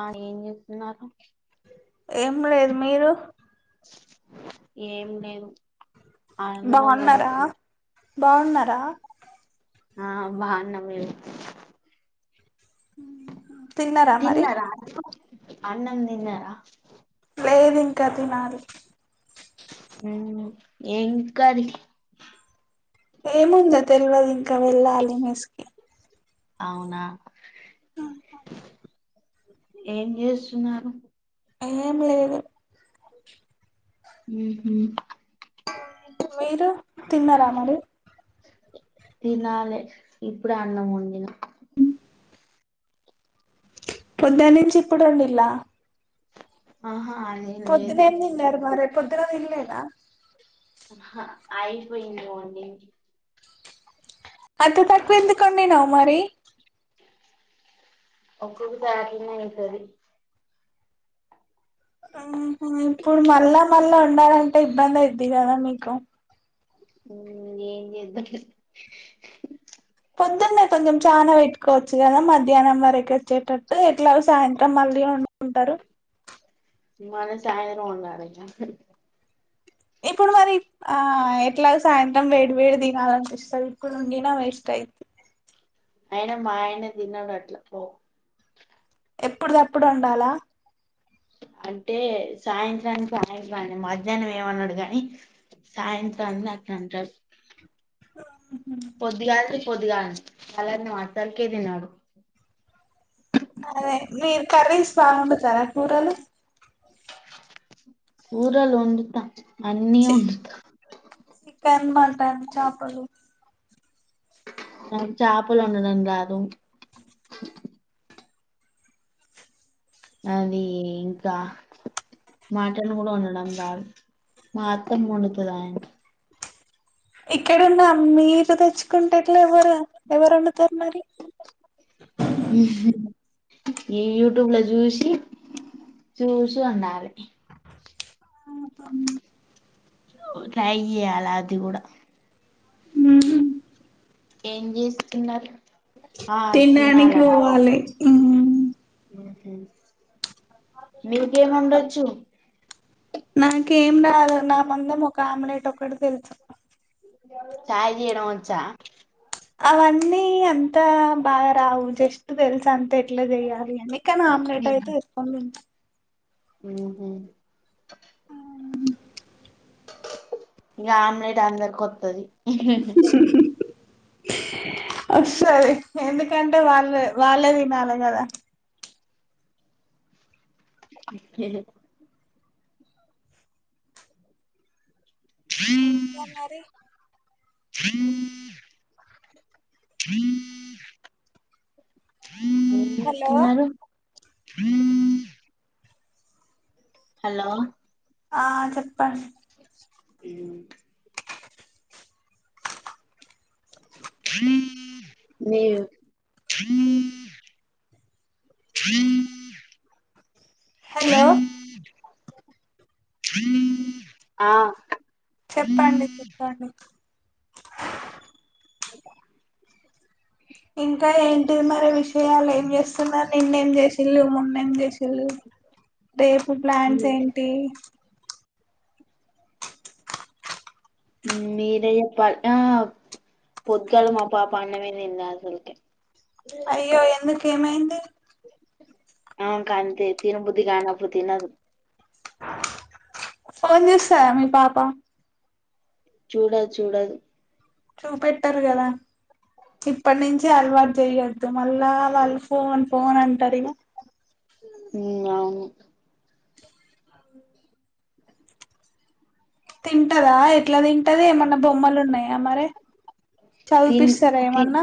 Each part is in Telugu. ఆ ఏం చేతునారు ఏం లేదు మీరు ఏం లేదు అన్నమొండుతున్న బావున్నారా ఆ బావున్నం మేము ఉహ్మ్ తిన్నరా మీరు అన్నం తిన్నరా లేదింకా తినాలి ఉమ్ ఏం కర్రి ఏముందొ తెల్వదు ఇంకా వెళ్ళాలి మెస్కే అవునా హు అవును ఏం చేస్తున్నారు ఏం లేదు ఉహుమ్ తిన్నార మరి తినాలి ఇప్పుడే అన్నం వండినా పోద్దనుంచి ఇప్పుడూ వండిల్లా ఆహా అదేం లేదు పొడునా ఏం తిన్నరు మరి పొద్దున తిన్లేదా ఆహా అయిపొయింది వండింది గంత తక్కువెందుకోండినవ్ మరి ఒక్కోకసారిట్లనే అయితది ఆహ ఇప్పుడు మళ్ళా మళ్ళా వండాలంటే ఇబ్బంది అయిదీ గదా మీకు ఉమ్ ఏం చేద్దాం పొదున్నె కొంచెం చానా వెట్టుకోవచ్చు గదా మధ్యాహ్నం వరకు వచ్చేటట్టు ఎట్లాగొ సాయంత్రం మళ్ళీ వం కుంటారు మళ్ళీ సాయంత్రం వండాలిగ ఇప్పుడు మరి ఆ ఎట్లాగొ సాయంత్రం వేడి వేడి తినాలనిపిస్తది వండినా వేస్ట్ అయిదీ అయినా మా ఆయన తినడు అట్ల పో ఎప్పుడుదప్పుడు వండాలా అంటే సాయంత్రానికి సాయంత్రాన్ని మధ్యాహ్నం ఏమన్నడు గానీ సాయంత్రాన్ని అంటరు పొద్దిగాల చల్దనం అసల్కే తినడు అదే మీరు కర్రీస్ బావండుతారా కూరలు కూరలు వండుతా అన్నీ వండుతా మట్టన్ చాప్పలు నాక్ చాపలొండడం రాదు అది ఇంకా మాటన్ గూడా వండడం రాదు మా అత్తమ్మ వండుతది ఆయనక్ ఇక్కడున్న మీరు తెచ్చు కుంటే ఎట్ల ఎవరు ఎవరు వండుతరు మరి ఈ యూట్యూబ్ ల చూసి చూసి వండాలి ట్రై చేయలా అది గూడ ఉహ్మ్ ఏం చేస్తున్నారు ఆ తిండానికి తినాలన్న పోవాలి హ్మ్ మ్ హు మీకేమోండొచ్చు నాకేం రాదు నా మందం ఒక ఆమ్లెట్ ఒకటి తెలుసు చాయ్ చేయడం వచ్చా అవన్నీ అంతా బాగా రావు జస్ట్ తెల్సంతే ఎట్లా చెయాలి అన్నీ కానీ ఆమ్లెట్ అయితే ఏసుకొని తింటా మ్ హు ఉ గా ఆమ్లెట్ అందరికోత్తది ఒస్తది ఎందుకంటే వాళ్ళ వాళ్ళే తినాలి కదా ఏ ఇంకా మరీ హ హలో హ హలో ఆ చెప్ మ్ మీ హ హలో ఆ చెప్పండి చెప్పండి ఇంకా ఏంటిది మరీ విషయాలు ఏం చేస్తున్నారు నిన్నేం చేసిళ్ళు మొన్నేం చేసి లు రేపు ప్లాన్స్ ఏంటి మీరే చెప్పాల్ హ పొద్గాల్ మా పాప అన్నమొ తిన్లే అసల్కి అయ్యో ఎందుకు ఎం ఐఇంది ఆమే కంతే తిన బుద్ధి కనప్పుడు తినదు ఫోన్ చూస్తదా మీ పాప చూడదు చూడదు చూపెట్టారు కదా ఇప్పటి నుంచే అలవాటు చేయ్యొద్దు మళ్ళా వాళ్ళు ఫోన్ ఫోన్ అంటారు ఈగ హుమ్ అవును అవును తింటాదా ఎట్లా తింటది ఏమన్న బొమ్మలున్నాయా మరే తిన్ చదిపిస్తారా తిన్ ఎమన్న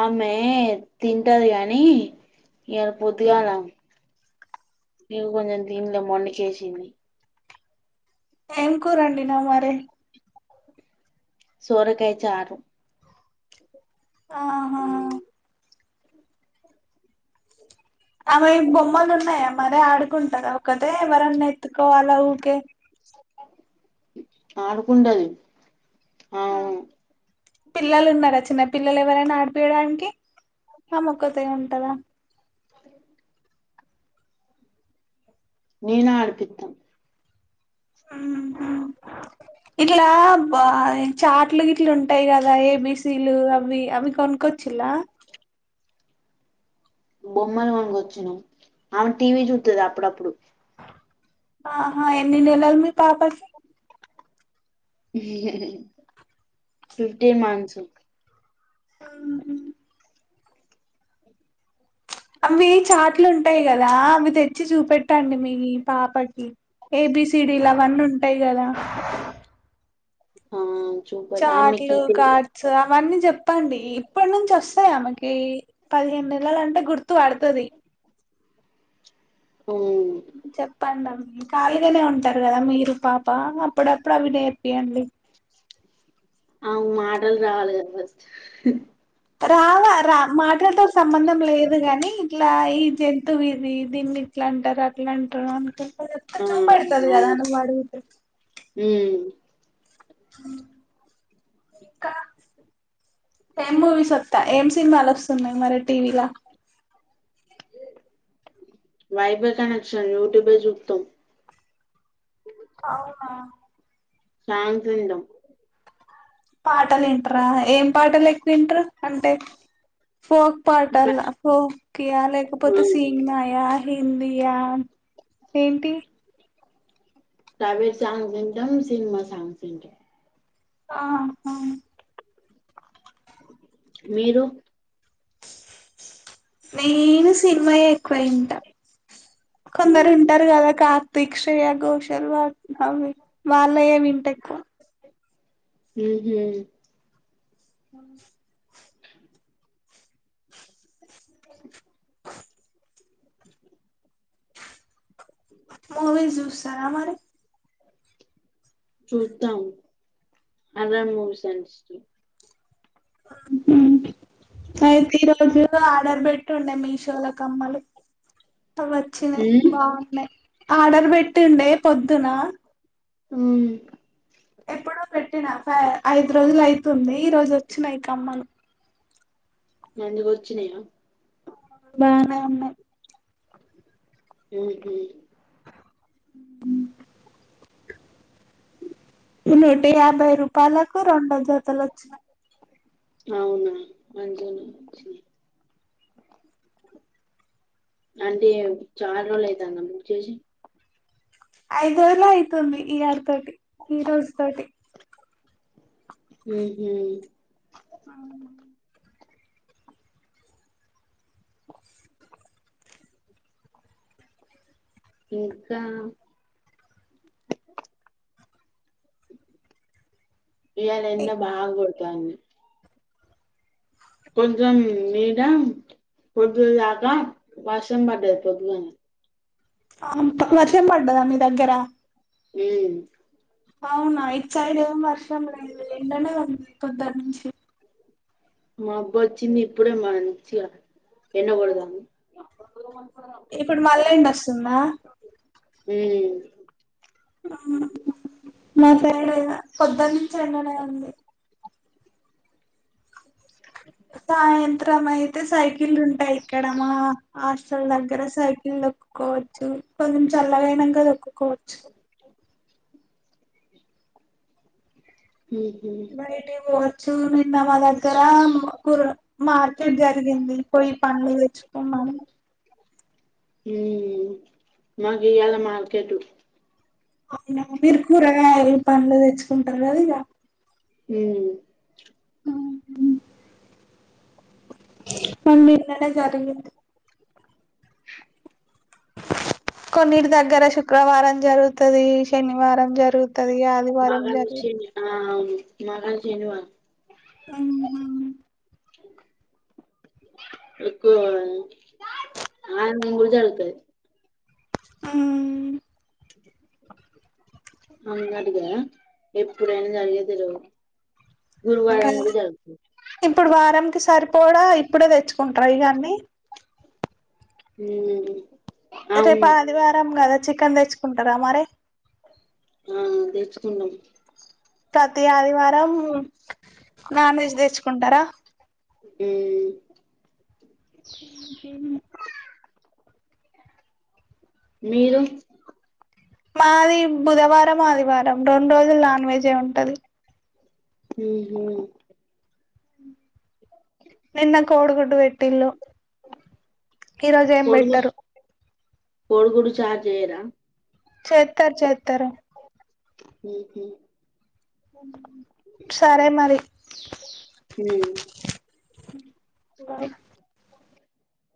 ఆమె తింటాది గాని ఇయాల పొద్దుగాల ఇగ కొంచెం తిన్లే మొండికేసింది ఏం కూర వండివు మరీ సోరకాయ్ చారు ఆహా హుం ఆమెయి బొమ్మలు ఉన్నాయా మరే ఆడుకుంటాదా ఒక్కతే ఎవరన్నా ఎత్తుకోవాలా ఊకే ఆడుకుండది ఆమెనే పిల్లలు ఉన్నారా చిన్న పిల్లలు ఎవరైనా ఆడిపియ్యడానికి ఆమొక్కతే ఉంటదా నేనే ఆడిపిత్తం ఉహ్మ్ ఇట్లా బ్బా చాట్లో గిట్లు ఉంటాయి కదా ఏబీసీలు అవి అవి కొను క్కొచ్చిలా బొమ్మలు కొనుకొచ్చినం ఆమె టీవీ చూత్తది అప్పుడప్పుడు ఆహా ఎన్ని నెలలు మీ పాపకి ఫిఫ్టీన్ మంత్స్ మ్ హు అవి చాట్లుంటయి కదా అవి తెచ్చి చూపెట్టండి మీ పాపకి ఏబిసిడీ లవన్నుంటాయి కదా ఆ చూప ఆమెకి చాట్లు తెలి కార్డ్స్ అవన్నీ చెప్పండి ఇప్పటి నుంచి వస్ స్తయి ఆమెకి పదిహేను నెలలంటే గుర్తు పడుతది మ్మ్ చెప్పండమ్ కలిగానే ఉంటారు కదా మీరు పాప అప్పుడప్పుడు అవినేర్పియ్యండి అవ్ మాటలు రావాల కదా ఫస్ట్ రావా రా మాటలతో సంబంధం లేదు గానీ ఇట్లా ఈ జంతువు ఇది దీన్ని ఇట్లా అంటరు అట్లా అంటరు అనుకుంట చెప్తే ఆ చూపెడతది కదా అవును నువ్వడిగితే మ్మ్ కా టెన్ మూవీస్ చెప్తా ఏం సినిమాలొస్తున్నాయి మరి టీవీలా వైఫై కనెక్షన్ యూట్యూబే జూత్తం అవునా సాంగ్స్ వింటం పాటలింట్ర ఏం పాటలెక్కువ ఇంటరు అంటే ఫోక్ పాటలా ఫోక్యా లేకపోతే మ్మ్ సినిమాయ హిందియా ఏంటి ప్రైవేట్ సాంగ్స్ వింటం సినిమా సాంగ్స్ వింటం ఆ హా మీరు నేను సినిమాయే ఎక్కువఇంటా మ్మ్ కొందరుంటరు కదా కా దిక్షయ గోశాల్ వా అవి వాల్లయే వింట ఎక్కువ ఉహ్మ్ మూవీస్ చూస్తరా మరి చూత్తం హర్రర్ మూవీస్ [unintelligible] ఉహ్మ్ అయితేఈరోజు ఆర్డర్ పెట్టుండే మీషోలో కమ్మలు అవచినైయ్ మ్మ్ బాగున్నాయి ఆర్డర్ పెట్టుండే పొద్దునా ఉమ్ ఎప్పుడో పెట్టినా ఫ ఐదు రోజులయితుంది ఈరోజువచినై కమ్మలు మంచిగోచ్చినయా బానే ఉన్నాయి ఓకే నుట యాభై రూపాయలకు రెండు జతలోచ్చినాయి అవునా మంచిగనె ఒచ్చి అంటే అది చాలా రోజులైతుందా బుక్ చేసి ఐదురోజులే అయితుంది ఈ ఆల్టీ తోటి ఈ రోజు తోటి ఉ హు ఇంకా ఇయ్యాలెండ బాగా కొడతాంది కొంచెం నీడ పొదుపోయక వర్షం బడది పొదుపోయింది ఆంత వర్షం బడ్డదా మీ దగ్గర ఉమ్ అవునా ఇటు సైడ్ పొదట్నుంచి మబ్బొచ్చింది ఇప్పుడే మంచిగా ఎండ కొడతాంది ఇప్పుడు మళ్ళీ ఎండ వస్తుందా ఉమ్మ్ మా సైడిగా పొద్దనుంచి ఎండనే ఉంది సాయంత్రం అయితే సైకిలుంటాయిక్కడ మా ఆస్టల్ దగ్గర సైకిల్ తొక్కుకోవచ్చు కొంచల్లగయినంకా తొక్కుకోవచ్చు ఉహు బైట్కీ బోవచ్చు నిన్న మా దగ్గర మ్ కూర మార్కెట్ జరిగింది పోయి పండ్లు తెచ్చుకొమ్మను మ్మ్మ్ మాకియాలా మార్కెటు అయన మీరు కూరగాయలు పండ్లు తెచ్చుకుంటారు కదా ఇగా ఉమ్ [unintelligible] జరుగు కొన్నిటి దగ్గర శుక్రవారం జరుగుతది శనివారం జరుగు తది ఆదివారం జరుగ్ మాకైతే శనివారం అహా ఎక్కువ ఆ యన్నం కూడ జరుగుతది ఆమ్ అన్నదిగా ఎప్పుడైనా జరిగేది లే ఇంకా ఇప్పుడు వారం కీ సరిపోడా ఇప్పుడే దెచ్చుకుంట్రా ఇవన్నీ ఉమ్ రేపు అవును ఆదివారం కదా చికెన్ దెచ్చుకుంటరా మరే ఆ దెచ్చుకున్నం ప్రతీ ఆదివారం నాన్ వెజ్ దెచ్చుకుంటరా ఉమ్మ్ మీరు మాది బుధవారం ఆదివారం రోండ్రోజులు నాన్ వెజే ఉంటది ఉహు నిన్న కోడుగుడ్డు వెట్టిల్లు ఈరోజు ఏం బెట్టరు కోడు గుడ్డు చార్ జేయరా చేత్తరు చేత్తరు ఉహు సరే మరి ఉమ్ బాయ్